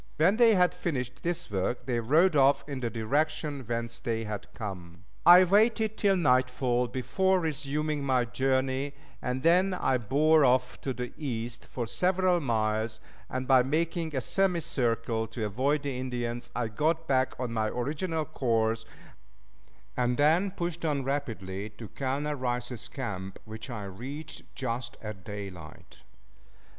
When they had finished this work they rode off in the direction whence they had come. I waited till nightfall before resuming my journey, and then I bore off to the east for several miles, and by making a semicircle to avoid the Indians, I got back on my original course, and then pushed on rapidly to Colonel Rice's camp, which I reached just at daylight.